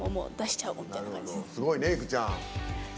すごいね、いくちゃん。